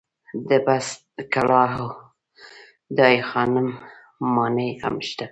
د بست کلا او دای خانم ماڼۍ هم شته.